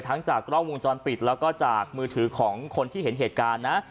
จากกล้องวงจรปิดแล้วก็จากมือถือของคนที่เห็นเหตุการณ์นะ